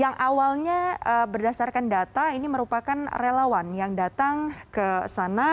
yang awalnya berdasarkan data ini merupakan relawan yang datang ke sana